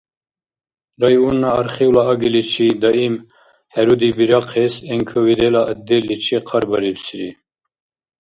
Районна архивла агиличи даим хӏеруди бирахъес НКВД-ла отделличи хъарбарибсири.